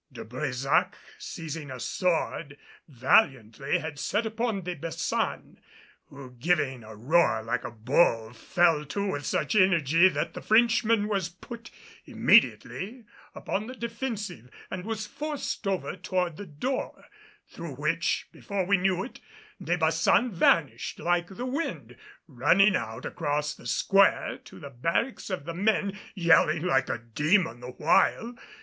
De Brésac, seizing a sword, valiantly had set upon De Baçan; who, giving a roar like a bull, fell to with such energy that the Frenchman was put immediately upon the defensive and was forced over toward the door, through which, before we knew it, De Baçan vanished like the wind, running out across the square to the barracks of the men, yelling like a demon the while.